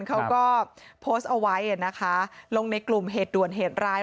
เขาก็โพสต์เอาไว้นะคะลงในกลุ่มเหตุด่วนเหตุร้าย